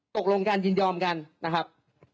ตกลงการยินยอมกันนะครับ